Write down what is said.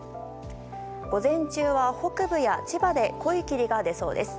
午前中は北部や千葉で濃い霧が出そうです。